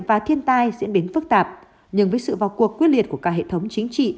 và thiên tai diễn biến phức tạp nhưng với sự vào cuộc quyết liệt của cả hệ thống chính trị